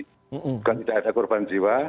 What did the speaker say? bukan tidak ada korban jiwa